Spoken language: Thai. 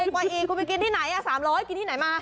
ก๋วยอีคุณไปกินที่ไหนสามร้อยกินที่ไหนมา